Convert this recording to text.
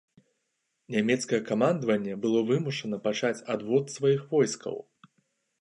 Нямецкае камандаванне было вымушана пачаць адвод сваіх войскаў.